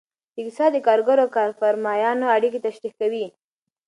اقتصاد د کارګرو او کارفرمایانو اړیکې تشریح کوي.